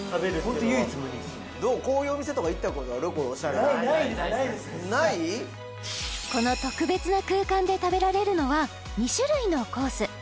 ホント唯一無二ですねこの特別な空間で食べられるのは２種類のコース